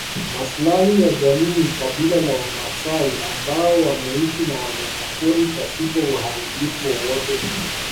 Maslahi ya jamii kabila la wamaasai ambao wameishi na wanyamapori pasipo uharibifu wowote ule